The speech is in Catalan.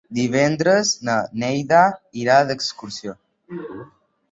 Divendres na Neida irà d'excursió.